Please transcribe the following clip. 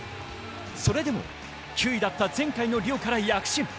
それでも、９位だった前回のリオから躍進。